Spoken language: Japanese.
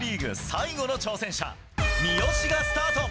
最後の挑戦者、三好がスタート。